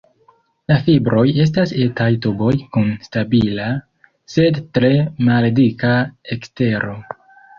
La fibroj estas etaj tuboj kun stabila, sed tre maldika ekstero.